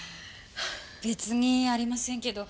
別にありませんけど。